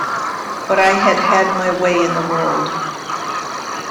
But I had had my way in the world.